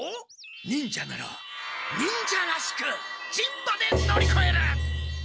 忍者なら忍者らしく「人馬」で乗りこえる！